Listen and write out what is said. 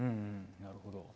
なるほど。